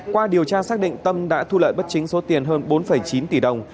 qua điều tra xác định tâm đã thu lợi bất chính số tiền hơn bốn chín tỷ đồng